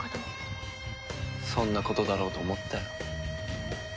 そんなことだろうと思ったよ。